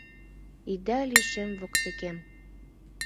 Ида лишем воктекем!